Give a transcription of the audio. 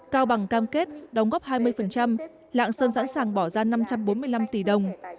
cao bằng cam kết đóng góp hai mươi lạng sơn sẵn sàng bỏ ra năm trăm bốn mươi năm tỷ đồng